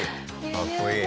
かっこいい。